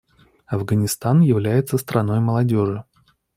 Афганистан является страной молодежи.